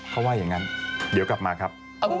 เขาว่าอย่างนั้นเดี๋ยวกลับมาครับ